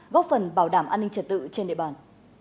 góp phần bảo đảm an ninh trật tự trên địa bàn